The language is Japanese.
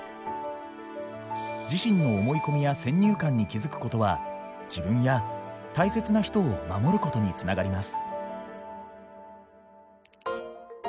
自身の思い込みや先入観に気付くことは自分や大切な人を守ることに繋がります。